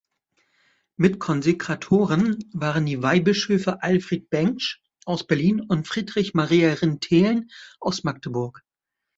Mitkonsekratoren waren die Weihbischöfe Alfred Bengsch aus Berlin und Friedrich Maria Rintelen aus Magdeburg.